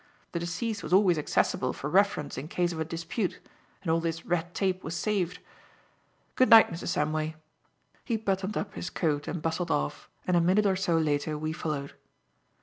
The deceased was always accessible for reference in case of a dispute, and all this red tape was saved. Good night, Mrs. Samway." He buttoned up his coat and bustled off, and a minute or so later we followed.